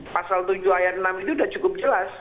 pasal tujuh ayat enam itu sudah cukup jelas